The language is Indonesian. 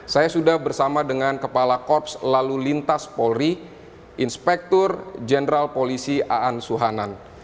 saya sudah bersama dengan kepala korps lalu lintas polri inspektur jenderal polisi aan suhanan